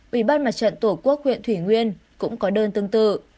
ủy ban mặt trận tổ quốc huyện thủy nguyên cũng có đơn tương tự